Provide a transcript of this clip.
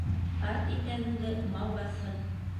Арт итәгеңде мал баҫһын.